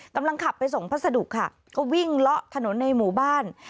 กำลังขับไปส่งพัสดุค่ะก็วิ่งเลาะถนนในหมู่บ้าน